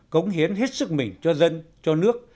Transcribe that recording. cống hiến hết sức mỉnh cho dân cho nước